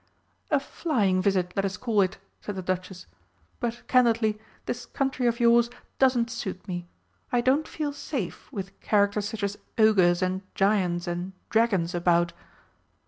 "A flying visit, let us call it," said the Duchess. "But, candidly, this country of yours doesn't suit me. I don't feel safe with characters such as Ogres and Giants and Dragons about."